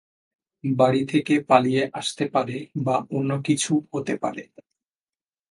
বাড়ি থেকে পালিয়ে আসতে পারে, বা অন্য কিছুও হতে পারে।